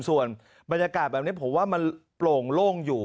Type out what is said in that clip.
ส่วนบรรยากาศแบบนี้ผมว่ามันโปร่งโล่งอยู่